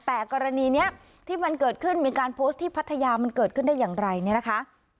แต่กรณีนี้ที่มันเกิดขึ้นมีการโพสต์ที่พัทยามันเกิดขึ้นได้อย่างไรเนี่ยนะคะ